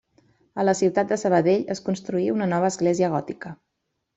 A la ciutat de Sabadell es construí una nova església gòtica.